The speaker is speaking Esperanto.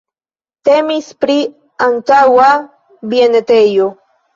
Temis pri antaŭa bienetejo.